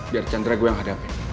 biar chandra gue yang hadapin